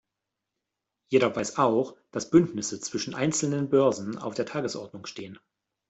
Jeder weiß auch, dass Bündnisse zwischen einzelnen Börsen auf der Tagesordnung stehen.